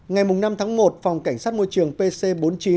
ngày năm tháng một phòng cảnh sát môi trường pc bốn mươi chín